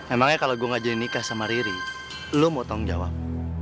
emangnya kalau gue ngajarin nikah sama riri lo mau tanggung jawab